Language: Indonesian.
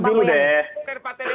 di indonesia perlakuannya sama